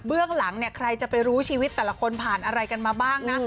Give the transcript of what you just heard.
หลังเนี่ยใครจะไปรู้ชีวิตแต่ละคนผ่านอะไรกันมาบ้างนะ